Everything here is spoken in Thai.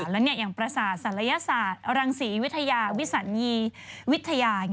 แล้วอย่างประสาทศัลยศาสตร์รังศรีวิทยาวิสันนีวิทยา